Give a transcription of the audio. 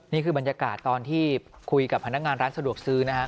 นี่คือบรรยากาศตอนที่คุยกับพนักงานร้านสะดวกซื้อนะฮะ